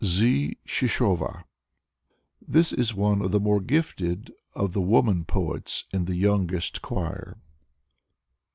Z. Shishova This is one of the more gifted of the woman poets in the youngest choir.